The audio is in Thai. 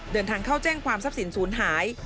เดินทางเข้าแจ้งความทรัพย์สินศูนย์หาย